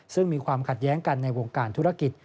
ซึ่งมีความขัดแย้งกันในวงการธุรกิจ